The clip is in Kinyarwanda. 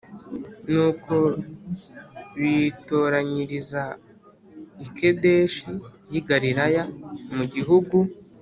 Nuko bitoranyiriza iKedeshi yi Galilaya mu gihugu